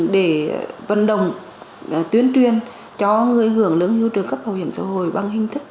để vận động tuyên truyền cho người hưởng lương hưu trợ cấp bảo hiểm xã hội bằng hình thức